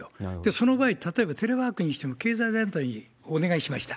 その場合、例えばテレワークにしても、経済団体にお願いしました。